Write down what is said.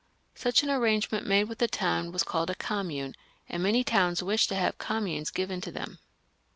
Such an arrangement made with a town was called a commune, and many towns wished to have communes given to them.